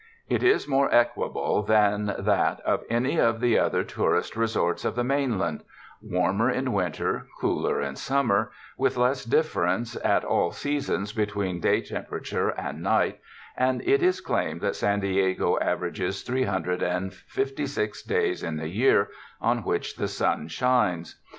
It is more equable than that of any of the other tourist resorts of the mainland— warmer in winter, cooler in summer, with less difference at all sea sons between day temperatures and night, and it is claimed that San Diego averages three hundred and fifty six days in the year on which the sun shines.